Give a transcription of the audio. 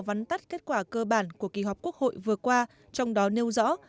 vắn tắt kết quả cơ bản của kỳ họp quốc hội vừa qua trong đó nêu rõ